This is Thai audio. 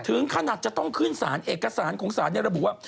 ถึงขนาดจะต้องขึ้นสารเอกสารของศาลระบุว่า